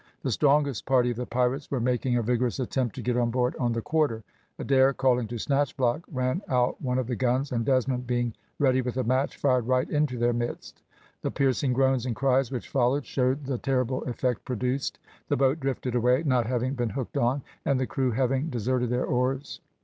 The strongest party of the pirates were making a vigorous attempt to get on board on the quarter. Adair calling to Snatchblock, ran out one of the guns, and Desmond being ready with a match, fired right into their midst. The piercing groans and cries which followed showed the terrible effect produced. The boat drifted away, not having been hooked on, and the crew having deserted their oars.